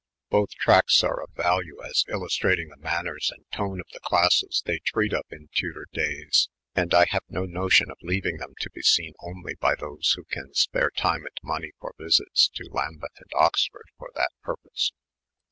Both tracts are of value as illustrating the manners V and tone of the classes they treat of in Tudor days ; and I iXhave no notion of leaving them to be seen only by those who can spare time and money for visits to Lambeth and Oxford for that purpose.